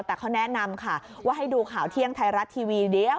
แต่เขาแนะนำค่ะว่าให้ดูข่าวเที่ยงไทยรัฐทีวีเดี๋ยว